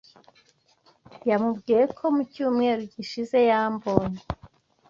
Yamubwiye ko mu cyumweru gishize yambonye